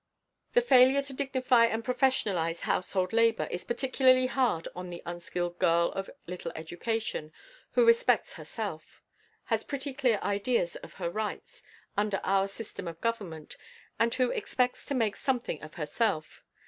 The failure to dignify and professionalize household labor is particularly hard on the unskilled girl of little education who respects herself, has pretty clear ideas of her "rights" under our system of government, and who expects to make something of herself.